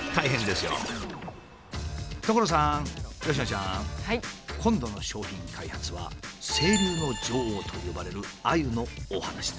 所さん佳乃ちゃん。今度の商品開発は「清流の女王」と呼ばれるアユのお話です。